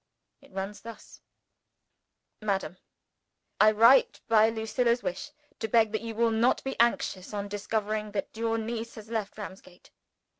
It runs thus: "MADAM, I write, by Lucilla's wish, to beg that you will not be anxious on discovering that your niece has left Ramsgate.